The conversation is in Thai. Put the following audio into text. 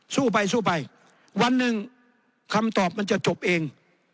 สู้ไปสู้ไปวันหนึ่งคำตอบมันจะจบเอง